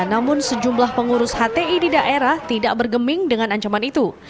namun sejumlah pengurus hti di daerah tidak bergeming dengan ancaman itu